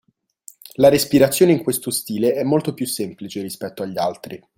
La respirazione in questo stile è molto più semplice rispetto agli altri